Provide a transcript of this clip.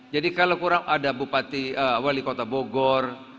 jadi kalau kurang ada bupati wali kota bogor